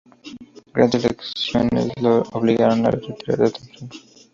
Grandes lesiones lo obligaron a retirarse temprano.